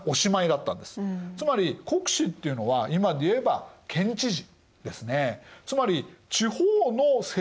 つまり国司っていうのは今でいえば県知事ですね。